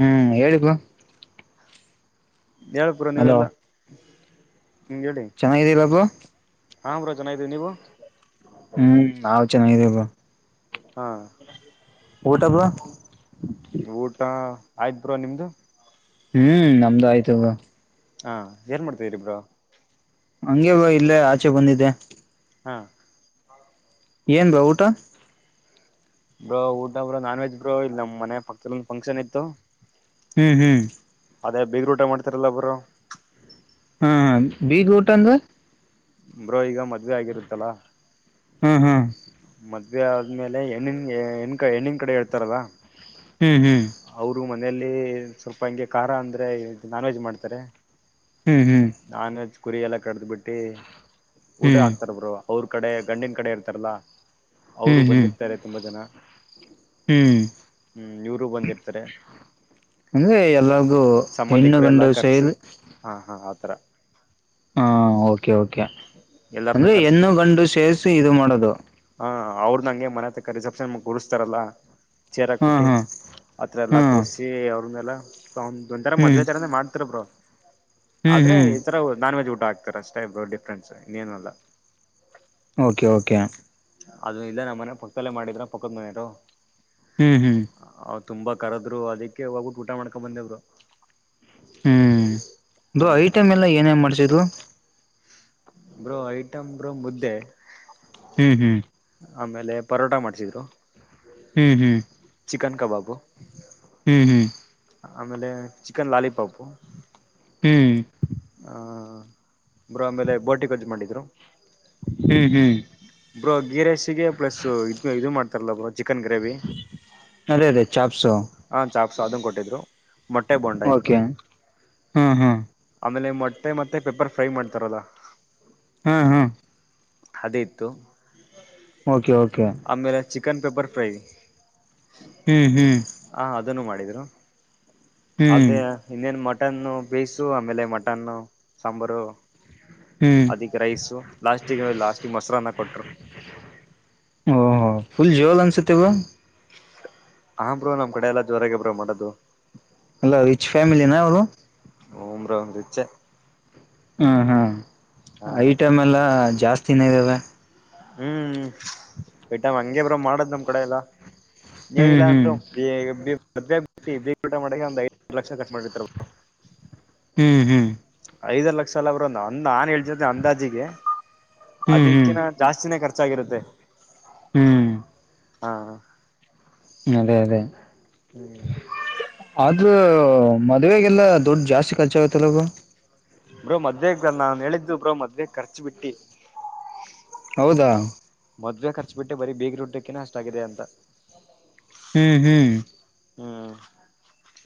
ಹ್ಮ್ ಹೇಳಬೇಕು ಹೇಳ ಪುರ ನೀವೆಲ್ಲ ಹ್ಮ ಹೇಳಿ ಚೆನ್ನಾಗಿದಿಲ್ಲ ಬ್ರೋ ಹ ಮರ ಚನ ಇದೀವಿ ನೀವು ಹ್ಮ್ ನಾವ್ ಚೆನ್ನಾಗಿದೇಲ್ ಹಾ ಊಟಪ. ಊಟ ಆಯ್ತ್ ಬ್ರೋ ನಿಮ್ದು. ಹ್ಮ್ ನಮ್ದು ಆಯ್ತು ಹಾ ಏನ್ ಮಾಡ್ತಿದರಿ ಬ್ರೋ. ಹಗೆಗ ಇಲ್ಲೇ ಆಚೆ ಬಂದಿದ್ದೆ. ಹಾ. ಏನ್ ಬ ಊಟ. ಬ್ರೋ ಊಟ ಬ್ರೋ ನಾನ್ ವೆಜ್ ಬ್ರೋ ಇಲ್ ನಮ್ಮ್ ಮನೆ ಪಕ್ದ ಒಂದ ಫಂಕ್ಷನ್ ಇಯತತ್ತು. ಹ್ಮ್ ಹ್ಮ್. ಅದೇ ಬೇಗ ಊಟ ಮಾಡ್ತಾರಲ್ಲ ಒಬ್ಬರು. ಹಾ ಬೀಗಾರ ಊಟ ಅಂದ್ರ. ಬ್ರೋ ಈಗ ಮದ್ವೆ ಆಗಿರುತ್ತಲಾ. ಹ್ಮ್ ಹ್ಮ್ ಮದುವೆ ಆದ್ಮೇಲೆ ಹೆಣ್ಣನ್ ಹೆಣ ಕ ಹೆಣ್ಣನ್ ಕಡೆ ಹೇಳ್ತಾರಲ್ಲ. ಹ್ಮ್ ಹ್ಮ್. ಅವರು ಮನೆಯಲ್ಲಿ ಸ್ವಲ್ಪ ಹಂಗೆ ಖಾರ ಅಂದ್ರೆ ನಾನ್ ವೆಜ್ ಮಾಡ್ತಾರೆ. ಹ್ಮ್ ಹ್ಮ್. ನಾನ್ ವೆಜ್ ಕುರಿ ಎಲ್ಲ ಕಡ್ದ್ ಬಿಿಟ್ಟು ಊಟ ಹಾಕ್ತಾರ ಹ್ಮ್ ಬರು ಅವ್ರ ಕಡೆ ಗಂಡಿನ ಕಡೆ ಇರ್ತಾರಲ್ಲ. ಅವರು ಹ್ಮ್ ಹ್ಮ್ ಬಂದಿರ್ತಾರೆ ತುಂಬಾ ಜನ. ಹ್ಮ್ ಹ್ಮ್ ಇವರು ಬಂದಿರ್ತಾರೆ. ಅಂದ್ರೆ ಎಲ್ಲರಿಗೂ ಹೆಣ್ಣು ಸಂಬಂಧಿಕರು ಎಲ್ಲಾ ಗಂಡ ಕರ್ಸಿ ಸೈರಿ. ಹಾ [unintelligible] ಹಾ ಓಕೆ ಓಕೆ ಎಲ್ಲಾರನು ಅಂದ್ರೆ ಕರ್ಸ್ ಹೆಣ್ಣ ಗಂಡು ಸೇರಿಸಿ ಇದು ಮಾಡೋದು. ಹ ಅವ್ರ ನಂಗೆ ಮನೆತಕ್ಕ ರಿಸೆಪ್ಷನ್ ಮ ಕುಡಸ್್ತಾರಲ್ಲಾ. ಚೇರ್ ಹಾ ಹಾಕ್ಬಿಟ್ಟಿ ಹಾ ಅತ್ರ ಹಾ ಎಲ್ಲ ಕೂರ್ಸಿ ಅವ್ರ ಮೇಲೆ. ಒಂದೊಂದಂರ ಹ್ಮ್ ಮದ್ವೆಚಾರನೆೆ ಮಾಡ್ತಾರ ಬ್ರೋ. ಹ್ಮ್ ಆದ್ರೆ ಹ್ಮ್ ಈಥರ ನಾನ್ ವೆಜ್ ಊಟ ಹಾಕ್ತಾರ ಅಷ್ಟೇ ಡಿಫ್ರೆನ್ಸ್ ಇನ್ನೇನಲ್ಲ. Okay okay. ಅದು ಇಲ್ಲೇ ನಮ್ಮ ಮನೆ ಪಕ್ಕಲ್ಲೇ ಮಾಡಿದ್ರ ಪಕ್ಕದ ಮನೆಯರು. ಹ್ಮ್ ಹ್ಮ್. ತುಂಬಾ ಕರದ್ರು ಅದಕ್ಕೆ ಹೋಗು ಊಟ ಮಾಡ್ಕೊಂಡ ಬಂದೇವರು. ಹ್ಮ್ ಅ ಐಟಮ್ ಎಲ್ಲ ಏನೇ ಮಾಡ್ಸಿದರು. ಬ್ರೋ ಐಟಮ್ ಬ್ರೋ ಮುದ್ದೆ. ಹ್ಮ್ ಹ್ಮ್. ಆಮೇಲೆ ಪರೋಟ ಮಾಡ್ಿಸಿದ್ರು. ಹ್ಮ್ ಹ್ಮ್. ಚಿಕನ್ ಕಾಬಾಬು. ಹ್ಮ್ ಹ್ಮ್. ಆಮೇಲೆ ಚಿಕನ್ ಲಾಲಿಪಾಪ. ಹ್ಮ್. ಹ ಅ್ರ ಆಮೇಲೆ ಬೋಟಿ ಗೋಜ್ಜು ಮಾಡಿದ್ರು. ಹ್ಮ್ ಹ್ಮ್. ಬ್ರೋ ಗೀ ರೈಸಿಗೆ ಪ್ಲಸ್ ಇದು ಇದು ಮಾಡ್ತಾರಲ್ಲ ಬ್ರೋ ಚಿಕನ್ ಗ್ರೇವಿ. ಅದೇ ಅದೇ ಚಾಪ್ಸು ಹಾ ಚಾಪ ಸಾದುನ ಕೊಟ್ಟಿದ್ರು ಮೊಟ್ಟೆ ಬೋಂಡಾ ಇತ್ತು ಹ್ಮ್ಮ್ ಹ್ಮ್ಮ್. ಆಮೇಲೆ ಮೊಟ್ಟೆ ಮತ್ತೆ ಪೆಪ್ಪರ್ ಫ್ರೈ ಮಾಡ್ತಾರಲ್ಲ. ಹು ಹು. ಅದೇ ಇತ್ತುು. Okay okay. Chicken pepper fry. ಹ್ಮ್ ಹ್ಮ್. [unintelligible] ಮಾಡಿದ್ರು ಹ್ಮ್ ಅದೇ ಇನ್ನೇನ್ ಮ ಮಟನ್ನು ಬೇಯಸು ಆಮೇಲೆ ಮಟನ್ನು ಸಾಂಬಾರು. ಹ್ಮ್ ಅದಿಕ್ ರೈಸು ಲಾಸ್ಟಿಗ ಲಾಸ್ಟಿಗ್ ಮೊಸರಾನ್ನ ಕೊಟ್ರು. ಓ ಸತ್ಯಗ. ಹ ಬ್ರೋ ನಮ್ ಕಡೆ ಎಲ್ಲ ಜೋರಾಗ ಬ್ರೋ ಮಾಡೋದು. ಅಲ ರಿಚ್ ಫ್ಯಾಮಿಲಿ ನ ಅವರು. ಹ್ಮ ಬ್ರೋ ರಿಚ್ಚೆ. ಹ್ಮ್ ಹ್ಮ್ ಹಾ ಐಟಮ್ ಎಲ್ಲ ಜಾಸ್ತಿನೆ ಇದಾವೆ. ಹ್ಮ್ ಬಿಟ್ಟ ಹಂಗೆ ಬ್ರೋ ಮಾಡದ್ ನಮ್ ಕಡೆ ಎಲ್ಲ. ಹ್ಮ್ ಎನಿಲ್ಲಾ ಹ್ಮ್ ಅಂದ್ರು ಬ್ [unintelligible] ದೇ ಬಿಟ್ಟ ಬೀಗರೂಟ ಮಾಡಕ್ಕೆ ಒಂದ್ ಐದ್ ಲಕ್ಷ ಖರ್ಚ್ ಮಾಡಿರ್ತಾರ ಬ್ರೋ. ಹ್ಮ್ ಹ್ಮ್ ಐದರ್ ಲಕ್ಷ ಅಲ ಬ್ರೋ ಒಂದ್ ಅಂದ್ ನಾನ್ ಹೇಳ್ತಿರೋದೆ ಅಂದಾಜಿಗೆ ಹ್ಮ್ ಹ್ಮ್ ಹ್ಮ್ ಅದಿಕ್ಕಿನ ಜಾಸ್ತಿನೇ ಕರ್ಚ್ [unintelligible] ಚ್ಚಾಗಿರುತ್ತೆ. ಹ್ಮ್ ಹಾ ಅದೇ ಅದೇ ಹ್ಮ್ ಆದ್ರು. ಹೊ ಮದವೆಗೆಲ್ಲ ದುಡ್ ಜಾಸ್ತಿ ಖರ್ಚಾಗುತ್ತಲ್ಲವಾ ಬ್ರೋ. ಬ್ರೋ ಮದ್ವೆ ನಾನು ಹೇಳಿದ್ದು ಬ್ರೋ ಮದ್ವೆ ಖರ್ಚು ಬಿಟ್ಟಿ. ಹೌದಾ ಮದುವೆ ಖರ್ಚು ಬಿಟ್ಟೆ ಬರೀ ಬೀಗರ ಊಟಕ್ಕೆ ಅಷ್ಟಾಗಿದೆ ಅಂತ. ಹ್ಮ್ ಹ್ಮ್ ಹ್ಮ್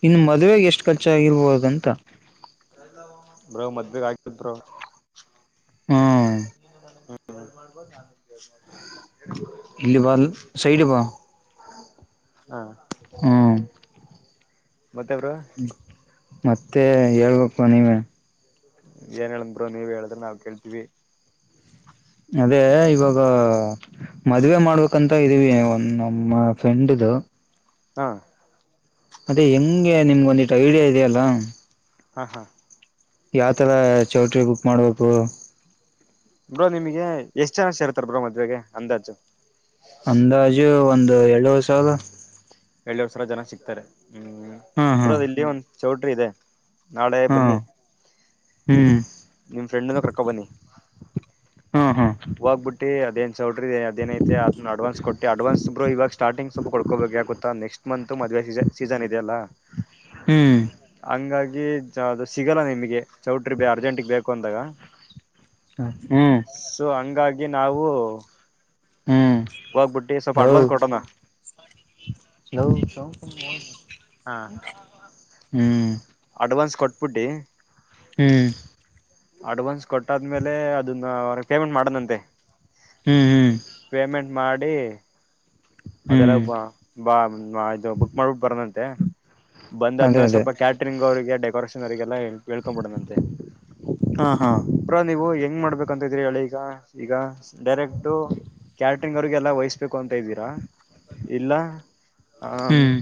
ಇನ್ನು ಮದ್ವೆಗೆ ಎಷ್ಟು ಖರ್ಚಾಗಿರ್ಬಹದಂತ. ಬ್ರೋ ಮದ್ಬಗ್ ಆಗತ್ ಬ್ರೋ. ಹ್ಮ್ [inaudible] ಇಲಿ ಬಲ್ ಸೈಡ್ಗಿ ಬಾ. ಹಾ ಹ್ಮ್ ಮತ್ತೆ ಬ್ರೋ ಮತ್ತೆ ಹೇಳ್ಬೇಕು ನೀವೇ. ಏನ್ ಹೇಳದ್ ಬ್ರೋ ನೀವ್ ಹೇಳೀದ್ರೆ ನಾವ್ ಕೇಳ್ತೀವಿ. ಅದೇ ಇವಾಗ ಮದ್ವೆ ಮಾಡ್ಬೇಕಂ. [unintelligible] ತ ಇದೀವಿ ಒಂದು ನಮ್ಮ ಫ್ರೆಂಡ್ ದು. ಹಾ ಅದೇ ಹೆಂಗೆ ನಿಮ್ಗೋಂದಿಟ್ಟು ಐಡಿಯಾ ಇದೆಯಲ್ಲ. ಹಾ ಹಾ ಯಾವ್ಥರ ಚೌಟ್ರಿ ಬುಕ್ ಮಾಡ್ಬೇಕು. ಬ್ರೋ ನಿಮಗೆ ಎಷ್ಟ್ ಜನ ಸೇರ್ತಾರ ಬ್ರೋ ಮದ್ವೆಗೆ ಅಂದಾಜು. ಅಂದಾಜು ಒಂದು ಎರಡುವರಿ ಸಾವಿರ. ಎರಡುವರಿ ಸಾವಿರ ಜನ ಸಿಕ್ತಾರೆ ಹ್ಮ್ ಹಾ ಹಾ ಬ್ರೋ ಅದು ಇಲ್ಲಿ ಒಂದ್ ಚೌಟ್ರಿ ಇದೆ. ನಾಳೆ ಹಾ ಬನ್ನಿ ಹ್ಮ್ ನಿಮ್ ಫ್ರೆಂಡನ ಕರ್ಕಂ ಬನ್ನಿ. ಹ್ಮ ಹ. ಹೋಗ್ಬಿಟ್ಟಿ ಅದೇನ್ ಚೌಟ್ರಿ ಅದೇನಐತೆ ಅದನ್ನ ಅಡ್ವಾನ್ಸ್ ಕೊಟ್ಟಿ ಅಡ್ವಾನ್ಸ್ರು ಇವಾಗ ಸ್ಟಾರ್ಟಿಂಗ್ ಸ್ವಲ್ಪ ಕೊಡ್ಕೋಬೇಕು ಯಾಗೋತ್ತ. [unintelligible] ನೆಕ್ಸ್ಟ್ ಮಂತ್ ಮದವೆ ಸೀಸನ್ ಸೀಸನ್ ಇದೆಯ ಅಲ್ಲ ಹ್ಮ್ ಹಂಗಾ [unintelligible] ಗಿ ಚ ಅದು ಸಿಗಲ್ಲ ನಿಮಗೆ ಚೌಟ್ರಿ ಬೆ ಅರ್ಜೆಂಟಿಗೆ ಬೇಕು ಅಂದಾಗ. ಹ ಹ್ಮ ಅಗೆ ನಾವು ಹ್ಮ್ ಹೋಗ್ಬಿಟ್ಟಿ ಸ್ವಲ್ಪ ಲೋ ಅಡ್ವಾನ್ಸ್ ಕೊಟ್ಟೋಣ ಲೋ ಸೌಂ ಹಾ ಹ್ಮ್ ಅಡ್ವಾನ್ಸ್ ಕೊಟ್ಬಿಟ್ಟಿ ಹ್ಮ್ ಅಡ್ವಾನ್ಸ್ ಕೊಟ್ಟಾದ್ಮೇಲೆ ಅದನ್ನ ಅವ್ರಿಗ್ ಪೇಮೆಂಟ್ ಮಾಡುದ್ನಂತೆ. ಹ್ಮ್ ಹ್ಮ್ ಮಾಡಿ ಅದ್ರ ಹ್ಮ್ ಬ ಬಾ ಇದು ಬುಕ್ ಮಾಡ್ಬಿಟ್ಟು ಬರದಂತೆ ಅದೇ ಬಂದಾದ್ಮೇಲೆ ಅದೇ ಸ್ವಲ್ಪ ಕ್ಯಾಟ್ರಿಂಗ್ ಅವ್ರಿಗೆ ಡೆಕೋರೇಷ ರಿಗೆಲ್ಲ ಹೇಳ್ಕೊಂಬಿಡದಂತೆ ಹಾ ಹಾ ಬ್ರೊ ನೀವು ಹೆಂಗ್ ಮಾಡ್ಬೇಕ್ ಕಂತಿದೀರಿ ಹೇಳಿ ಈಗ ಈಗ ಡೈರೆಕ್ಟ್ ಕ್ಯಾಟ್ರಿಂಗ್ ಅವ್ರಿಗೆಲ್ಲಾ ವಹಿಸ್ಬೇಕು ಅಂತ ಇದ್ದೀರ. ಇಲ್ಲ ಅಂ ಹ್ಮ್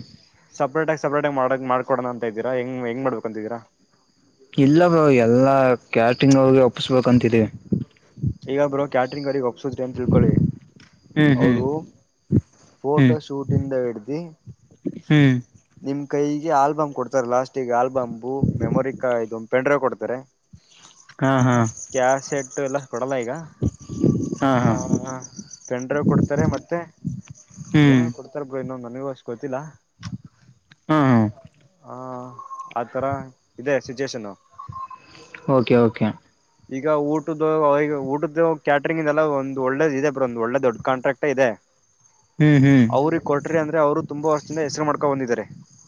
ಸ ಸಪ್ರೇಟ ಆಗ್ ಸಪ್ರೆಟ್ ಆಗ್ ಮಾಡಕ್ ಮಾಡ್ಕೊಡಣ ಅಂತ ಇದ್ದೀರ ಹೆಂಗ್ ಹೆಂಗ್ ಮಾಡ್ಬೇಕು ಅಂತಿದಿರ. ಇಲ್ಲ ಬ್ರೊ ಎಲ್ಲಾ ಕ್ಯಾಟ್ರಿಂಗ್ ಅವರಿಗೆ ಒಪ್ಪಸ್ಬೇಕು ಅಂತಿದೀವಿ. ಈಗ ಬ್ರೋ ಕ್ಯಾಟ್ರಿಂಗ್ ಅವ್ರಿಗ್ ಒಪ್ಸಿದ್ರಿ ಅಂತ ತಿಳ್ಕೊಳ್ಳಿ ಹ್ಮ್ ಹ್ಮ್ ಅವ್ರು ಫೋಟೋ ಹ್ಮ್ ಶೂಟಿಂದ ಹಿಡ್ದಿ ಹ್ಮ್ ನಿಮ್ ಕೈಗೆ ಆಲ್ಬಮ್ ಕೊಡ್ತಾರೆ ಲಾಸ್ಟ್ಗೆ ಆಲ್ಬಂಬು ಮೆಮೊರಿ ಕಾರ್ ಇದ್ ಒಂದ್ ಪೆನ್ ಡ್ರೈವ್ ಕೊಡ್ತಾರೆ. ಹಾ ಹಾ ಕಾಸೆಟ್ ಎಲ್ಲ ಕೊಡಲ್ಲ ಈಗ ಹಾ ಹಾ ಹ ಪೆನ್ ಡ್ರೈವ್ ಕೊಡ್ತಾರೆ ಮತ್ತೆ ಏನೋ ಕೊಡ್ತಾರೆ ಬ್ರೋ ಇನ್ನೊಂದು. ನನಗು ಅಷ್ಟ್ ಗೊತ್ತಿಲ್ಲ. ಹ್ಮ ಹ ಹ ಆ ತರ ಇದೆ ಸಿಚುವೇಷನ್. ಓಕೆ ಓಕೆ ಈಗ ಊಟದ್ದು ಅವ್ರಿಗೆ ಊಟದ್ದು ಕ್ಯಾಟ್ರಿಂಗಿಂದೇಲ್ಲ ಒಂದು ಒಳ್ಳೆದ್ ಇದೆ ಬ್ರೊ ಒಂದ್ ಒಳ್ಳೆ ದೊಡ್ಡ ಕಾಂಟ್ರಾಕ್ಟೇ ಇದೆ. ಹ್ಮ್ ಹ್ಮ್ ಅವ್ರಿಗ್ ಕೊಟ್ರಿ ಅಂದ್ರೆ ಅವ್ರು ತುಂಬಾ ವರ್ಷದಿಂದ ಹೆಸರು ಮಾಡ್ಕೊಂಡ್ ಬಂದಿದ್ದಾರೆ.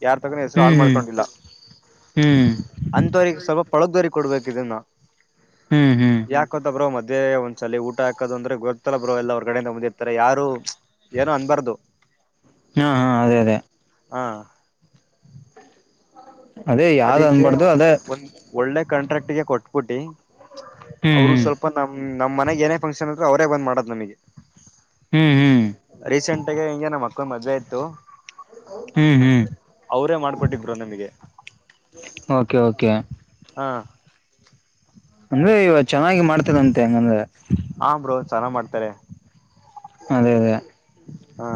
ಯಾರ್ ತಕ್ಕನು ಹೆಸರು ಹ್ಮ್ ಹಾಳ್ ಹ್ಮ್ ಮಾಡ್ಕೊಂಡಿಲ್ಲ. ಹ್ಮ್ ಅಂತವರಿಗ್ ಸ್ವಲ್ಪ ಪಳಗ್ದವರಿಗ್ ಕೊಡ್ಬೇಕಿದುನ್ನ ಹ್ಮ್ ಹ್ಮ್ ಬ್ರೋ ಮದ್ವೇ ಒಂದ್ ಸಲಿ ಊಟ ಹಾಕದಂದ್ರೆ ಗೊತ್ತಲ್ಲ ಬ್ರೋ ಎಲ್ಲ ಹೊರಗಡೆಯಿಂದ ಬಂದಿರ್ತಾರೆ ಯಾರು ಏನು ಅನ್ಬಾರ್ದು ಹಾ ಹಾ ಅದೇ ಅದೇ ಹಾ ಅದೇ ಯಾವ್ದ್ ಅದಿಕ್ಕೆ ಅನ್ಬಾರ್ದು ಅದೇ ಒಂದ್ ಒಳ್ಳೆ ಕಾಂಟ್ರಾಕ್ಟ್ ಗೆ ಕೊಟ್ಬಿಟ್ಟಿ ಹ್ಮ್ ಅವರು ಸ್ವಲ್ಪ ಹ್ಮ್ ನಮ್ ನಮ್ಮ್ ಮನೆಗೆ ಏನೇ ಫಂಕ್ಷನ್ ಅದ್ರು ಅವರೇ ಬಂದ್ ಮಾಡದು ನಮಗೆ ಹ್ಮ್ ರೀಸೆಂಟ್ ಆಗೆ ಹೆಂಗೇ ನಮ ಮದ್ವೆ ಇತ್ತು ಹ್ಮ್ ಹ್ಮ್ ಹ್ಮ್ ಅವ್ರೇ ಮಾಡ್ಕೊಟ್ಟಿದ್ ಬ್ರೋ ನಮ್ಗೆ. ಓಕೆ ಓಕೆ ಹಾ ಅಂದ್ರೆ ಇವ ಚೆನ್ನಾಗಿ ಮಾಡ್ತನಂತೆ ಹೆಂಗಂದ್ರೆ. ಹಾ ಬ್ರೋ ಚೆನ್ನಾಗ್ ಮಾಡ್ತಾರೆ. ಅದೇ ಅದೇ ಹಾ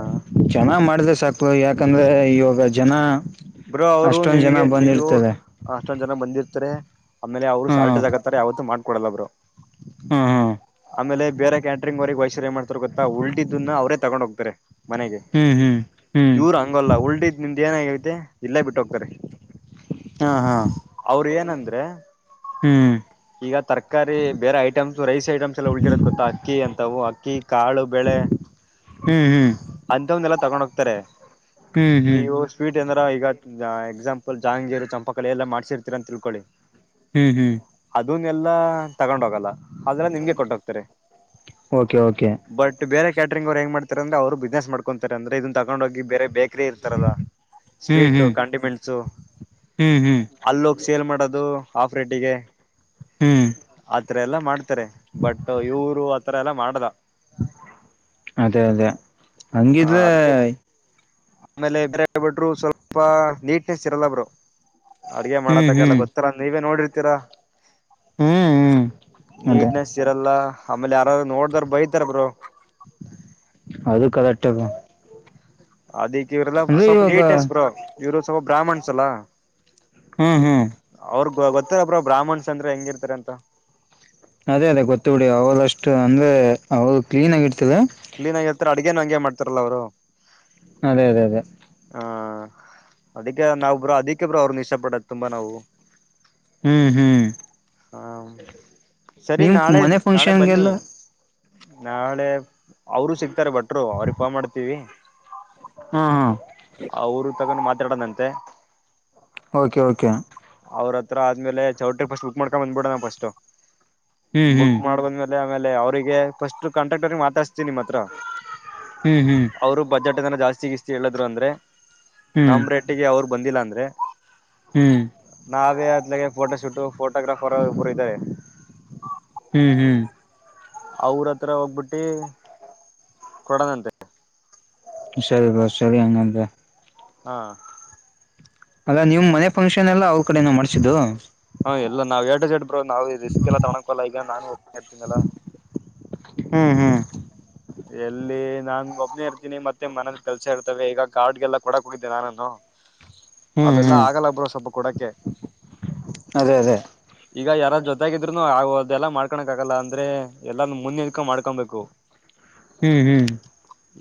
ಚೆನ್ನಾಗ್ ಮಾಡ್ದ ಯಾಕಂದ್ರೆ ಇವಾಗ ಜನ ಬ್ರೋ ಅವರು ಅಷ್ಟೊಂದ್ ಜನ ನಿಮಗೆ ನೀವು ಬಂದಿರ್ತದೆ ಅಷ್ಟೊಂದ್ ಜನ ಬಂದಿರ್ತಾರೆ. ಆಮೇಲೆ ಅವರು ಸಾಲ್ಟ್ ತಕತ್ತಾರೆ ಯಾವತ್ತು ಮಾಡ್ಕೊಡಲ್ಲ ಬ್ರೋ ಹ್ಮ ಹ್ಮ ಆಮೇಲೆ ಬೇರೆ ಕ್ಯಾಟರಿಂಗ್ ಅವ್ರಿಗ್ ವಹಿಸಿರ್ ಏನ್ ಮಾಡ್ತಾರೆ ಗೊತ್ತ ಉಲ್ಟಿದ್ದನ್ನ ಅವ್ರೆ ತಗೊಂಡ್ ಹೋಗ್ತಾರೆ. ಮನೆಗೆ ಹ್ಮ್ ಹ್ಮ್ ಹ್ಮ್ ಇವ್ರು ಹಂಗಲ್ಲ ಉಲ್ಟಿದ್ ನಿಮ್ದ ಏನಾಗೈತೆ ಇಲ್ಲೇ ಬಿಟ್ ಹೋಗ್ತಾರೆ. ಹಾ ಹಾ ಅವ್ರ್ ಏನಂದ್ರೆ ಹ್ಮ್ ಈಗ ತರಕಾರಿ ಬೇರೆ ಐಟಮ್ಸ್ ರೈಸ್ ಐಟಮ್ಸ್ ಎಲ್ಲ ಉಳ್ದಿರತ್ತ್ ಗೊತ್ತ ಅಕ್ಕಿ ಅಂತವು ಅಕ್ಕಿ ಕಾಳು ಬೆಳೆ ಹ್ಮ್ ಹ್ಮ್ ಅಂತವುನೆಲ್ಲ ತಗೊಂಡ್ ಹೋಗ್ತಾರೆ ಹ್ಮ್ ಹ್ಮ್ ನೀವು ಸ್ವೀಟ್ ಏನಾರ್ ಈಗ ಎಕ್ಸಾಂಪಲ್ ಜಾಹಂಗೀರು ಚಂಪಾಕಲಿ ಎಲ್ಲಾ ಮಾಡ್ಸಿರ್ತೀರ ಅಂತಿಳ್ಕೊಳ್ಳಿ ಹ್ಮ್ ಹ್ಮ್ ಇವ್ನ್ ಎಲ್ಲಾ ತಗೊಂಡ್ ಹೋಗಲ್ಲ ಆದ್ರೆ ನಿಮ್ಗೆ ಕೊಟ್ಟೋಗ್ತಾರೆ ಓಕೆ ಓಕೆ ಬಟ್ ಬೇರೆ ಕ್ ಕ್ಯಾಟಂಗ್ ಹೆಂಗ್ತಾರೆಂದ್ರ ಅವರು ಬಿಸ್ಸ್ ಮಾಡ್ತಾರೆಂದ್ರೆ ಇದ ಕಕೊಂಡ್ ಹೋಗಿ ಬೇರೆ ಬೇಕ್ರ ಇರ್ತಾರಲ್ಲ ಹ್ಮ್ ಸ್ವೀಟ್ ಹ್ಮ್ ಕಾಂಟಿಮೆಂಟ್ಸು ಹ್ಮ್ ಹ್ಮ್ ಅಲ್ಲ ಹೋಗಿ ಸೇಲ್ ಮಾಡೋದು ಆಫ್ ರೇಟಿಗೆ ಹ್ಮ್ ಆತರ ಎಲ್ಲಾ ಮಾಡ್ತಾರೆ ಬಟ್ ಇವರು ಆತರ ಎಲ್ಲಾ ಮಾಡ್ದ ಅದೇ ಅದೇ ಹ ಹಂಗಿದ್ರೆ ಅದಕ್ಕೆ ಆಮೇಲೆ ಬ ಬಟ್ರು ಸ್ವಲ್ಪ ನೀಟ್ನೆಸ್ ಇರಲ್ಲ ಬರು ಅಡ್ಗೆ ಹ್ಮ್ ಮಾಡತಕ ಎಲ್ಲ ಹ್ಮ್ ಗೊತ್ತರ ನೀವೇ ನೋಡಿರ್ತೀರಾ ಹ್ಮ್ ಹ್ಮ್ ಅದೇ ನೀಟ್ನೆಸ್ ಇರಲ್ಲ ಆಮೇಲೆ ಯಾರಾದು ನೋಡ್ದಾರ ಬೈತಾರ ಬ್ರರು ಅದು ಕರೆಟದು ಅದಿಕ್ಕೆ ಇವರೆಲ್ಲ ಸ್ವಲ್ಪ ನೀಟ್ನೆಸ್ ಬರು ಇವರು ಸ್ವಲ್ಪ ಬ್ರಾಹ್ಮಣ್ಸ್ ಅಲ್ಲಾ ಹ್ಮ್ ಹ್ಮ್ ಅವ್ರ ಗೊತ್ತಾರಪ್ರ ಬ್ರಾಹ್ಮಣ್ಸ್ ಅಂದ್ರೆ ಹೆಂಗಿರ್ತಾರ ಅಂತ ಅದೇ ಅದೇ ಗೊತ್ತ ಬಿಡಿ ಅವಳಷ್ಟು ಅಂದ್ರೆ ಅವಳ ಕ್ಲೀನ್ ಆಗಿ ಇರ್ತಿಲ್ಲ ಕ್ಲೀನ್ ಆಗಿರ್ತಾರೆ ಅಡ್ಗೇನ್ ಹಂಗೆ ಮಾಡ್ತಾರಲ್ಲ ಅವರು ಅದೇ ಅದೇ ಅದೇ ಆ ಅದಕ್ಕೆ ನಾವ್ ಬ್ರ ಅದಿಕ್ಕೆ ಬ್ರ ಅವ್ರನು ಇಷ್ಟ ಪಡದ ತುಂಬಾ ನಾವು ಹ್ಮ್ ಹ್ಮ್ ಹಾ ಸರಿ ನಿಮ್ ನಾಳೆ ಮನೆ ನಾಳೆ ಬನ್ನಿ ಫಂಕ್ಷನ್ಗೆಲ್ಲ ನಾಳೆ ಅವರು ಸಿಕ್ತಾರೆ ಭಟ್ರು ಅವ್ರಿಗೆ ಕ ಮಾಡ್ತೀವಿ ಹ್ಮ್ ಹಾ ತಗೊಂಡು ಮಾತಾಡೋದಂತೆ ಓಕೆ ಓಕೆ ಹತ್ರ ಆದ್ಮೇಲೆ ಚೌಟ್ರಿ ಫಸ್ಟ್ ಬುಕ್ ಮಾಡ್ಕೊಂಡ್ ಬಂದಬಿಡ ನಾವು ಫಸ್ಟ್ ಹ್ಮ್ ಬುಕ್ ಹ್ಮ್ ಮಾಡಂದ್ಮೇಲೆ ಆಮೇ ಅವರಿಗೆ ಫಸ್ಟ್ ಕಾಂಟ್ರಾಕ್ಟರ್ ಮಾತಾಡ್ತೀ ನಿಮ್ಮ ಹತ್ರ ಹ್ಮ್ ಹ್ಮ್ ಅವರು ಬ ಜಟನ ಜಾಸ್ತಿ ಇಸ್ ಹೇಳಿದ್ರು ಅಂದ್ರೆ ಹ್ಮ್ ನಮ್ಮ ರೇಟಿಗೆ ಅವ್ರು ಬಂದಿಲ್ಲ ಅಂದ್ರೆ ಹ್ಮ್ ನಾವೇ ಅದಲಾಗ ಫೋಟೋ ಶೂಟ ಫೋಟೋಗ್ರಾಫರ್ ಒಬ್ಬರು ಇದ್ದಾರೆ ಹ್ಮ್ ಹ್ಮ್ ಅವ್ರತ್ರ ಹೋಗ್ಬಿಟ್ಟಿ ಕೊಡನಂತೆ ಸರಿ ಬಾ ಸರಿ ಹಂಗಂತ ಹಾ ಅಲ್ಲಾ ನೀವು ಮನೆ ಫಂಕ್ಷನ್ ಎಲ್ಲ ಅವ್ರ ಕಡೆನ ಮಾಡ್ಸಿದ್ದು ಹಾ ಎಲ್ಲ ನಾವ್ ಎಡ್ಡ್ ಬ್ರೋ ನವು ರಿಸ್ಕ್ ಎಲ್ಲ ತಗೋಕಲ್ಲ ಈಗ ನಾ ಹ್ಮ್ ಹಾ್ ಎಲ್ಲಿ ನಾನ್ ಒಬ್ನೇ ಇರ್ತೀನಿ ಮತ್ತೆ ಮನದ ಕೆಲ್ಸ ಇರ್ತವೆ ಈಗ ಕಾರ್ಡ್ಗೆಲ್ಲ ಕೊಡಕ್ ಹೋಗಿದ್ದೆ ನಾನು ಹ ಅವೆಲ್ಲಾ ಆಗಲ್ಲಗ್ಬ್ರೋ ಸ್ವಲ್ಪ ಕೊಡಕ್ಕೆೆ ಅದೇ ಅದೇ ಈಗ ಯಾರ ಜೊತಾಗಿದ್ರುನು ಆ ಅದೆಲ್ಲ ಮಾಡ್ಕೊಳಕ್ ಆಗಲ್ಲ ಅಂದ್ರೆ ಎಲ್ಲಾ ಮುಂದ ನಿಂಕೊಂಡ ಮಾಡ್ಕೊಬೇಕು ಹ್ಮ್ ಹ್ಮ್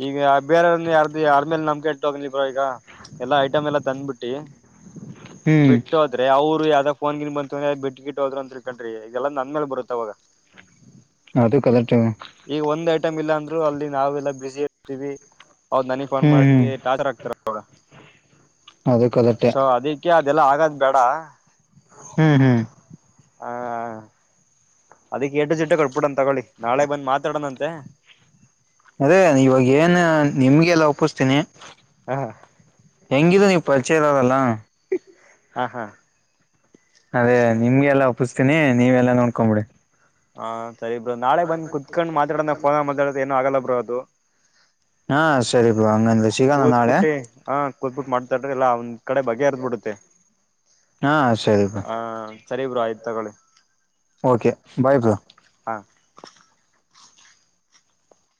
ಈಗ ಬೇರನ್ನ ಯಾರ್ದು ಯಾರ್ಮೇಲೆ ನಮ್ಕ ಇಟ್ಟ ಹೋಗ್ಲಿಬ್ರ ಈಗ ಎಲ್ಲಾ ಐಟಮ್ ಎಲ್ಲ ತಂದ್ಬಿಟ್ಟಿ ಹ್ಮ್ ಅೆ ಅವ್ ಯಾವ್ದನ್ಗಿ ಬಂತ ಬಿಗಿಟ್ ಹೋದರು ಅಂತಳ್ಕ್ರಿ ಇ ಎಲ್ಲಾ ನಂದ ಮೇಲೆ ಬರುತ್ತಾವವಾಗ ಹದು ಕಲರ್ಟ ಈಗ ಒಂದ್ ಐಟ್ ಇಲ್ಲ ಅಂದ್ರು ಅಲ್ಲಿ ನಾವೆಲ್ಲಾ ಬಿಸಿ ಇರ್ತೀವಿ ಹೌದ್ ನನಗ್ ಫೋನ್ ಹ್ಮ್ ಹ್ಮ್ ಮಾಡಿ ಟಾಚರ್ ಹಾಕ್ತಾರ ಅವ ಅದು ಕರೆಕ್ಟೆ ಸೊ ಅದಿಕ್ಕೆ ಅದೆಲ್ಲ ಆಗದ್ ಬೇಡ ಹ್ಮ್ ಹ್ಮ್ ಹ ಹ ಅದಿಕ್ ಎಂಟು ಜಿಡ್ಟ ಕಟ್ಬಿಡನ್ ತಗೊಳ್ಳಿ ನಾಳೆ ಬಂದ್ ಮಾತಾಡೋಣಂತೆ ಅದೇ ಇವಾಗ ಏನ್ ನಿಮ್ಗೆಲ್ಲ ಒಪ್ಪಿಸ್ತೀನಿ ಹ ಹೆಂಗಿದ ನೀ ಪರಿಚೆಯ ಎಾವದೆಲ್ಲ ಆ ಹಾ ಅದೇ ನಿಮ್ಗೆ ಎಲ್ಲಾ ಒಪ್ಪಿಸ್ತೀನಿ ನೀವ ಎಲ್ಲಾ ನೋಡ್ಕೊಂಬಿಡಿ. ಹಾ ಸರಿ ಬ್ರೋ ನಾಳೆ ಬಂದ್ ಕುತ್ಕೊಂಡ್ ಮಾತಾಡೋದ ಫೋನ್ ಮಾತಾಡ ಏನನು ಆಗಲ್ಲ ಬ್ರೋ ಅದು. ಹಾ ಸರಿ ಬ್ರೋ ಹಂಗಂದ್ರೆ ಸಿಗೋಣ ನಾಳೆ ಕೂತ್ಬುಟ್ಟೆ ಹ ಕೂತ್ಬುಟ್ಟ. ಮಾಡ್ತಾರ್ರ ಇಲ್ಲ ಒಂದ್ ಕಡೆ ಬಗೆ ಅರ್ದ್ ಬಿಡುತ್ತೆ. ಹಾ ಸರಿಪ. ಹಾ ಸರಿ ಬ್ರ ಆಯ್ತು ತಗೊಳ್ಳಿ. ಓಕೆ ಬಾಯ್ ಬ್ರೋ ಹ ಹಾ